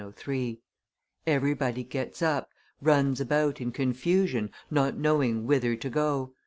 103]: "everybody gets up, runs about, in confusion, not knowing whither to go.